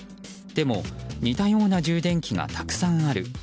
でも、似たような充電器がたくさんある。